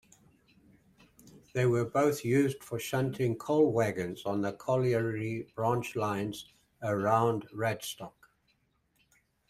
They were both used for shunting coal wagons on the colliery branchlines around Radstock.